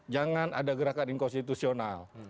jangan ada gerakan inkonstitusional